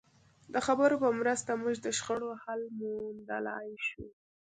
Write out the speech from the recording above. د خبرو په مرسته موږ د شخړو حل موندلای شو.